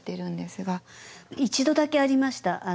一度だけありました。